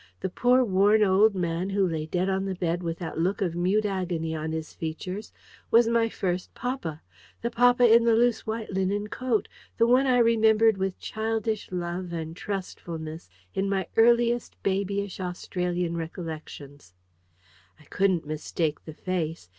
The poor worn old man who lay dead on the bed with that look of mute agony on his features was my first papa: the papa in the loose white linen coat: the one I remembered with childlike love and trustfulness in my earliest babyish Australian recollections! I couldn't mistake the face.